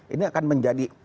ini akan menjadi